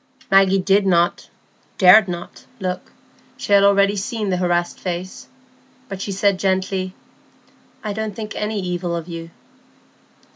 Maggie did not—dared not—look. She had already seen the harassed face. But she said gently,— "I don't think any evil of you."